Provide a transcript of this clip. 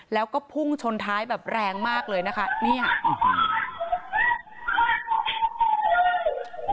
แล้วก็พุ่งชนท้ายแบบแรงมากเลยนะคะนี่ค่ะ